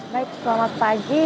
baik selamat pagi